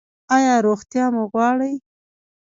ایا روغتیا مو غواړئ؟